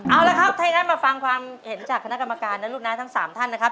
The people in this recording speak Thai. เอาละครับถ้าอย่างนั้นมาฟังความเห็นจากคณะกรรมการนะลูกนะทั้ง๓ท่านนะครับ